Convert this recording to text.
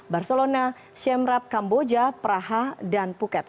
barcelona siam rapp kamboja praha dan phuket